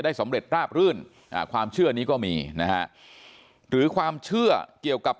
สำเร็จราบรื่นความเชื่อนี้ก็มีนะฮะหรือความเชื่อเกี่ยวกับ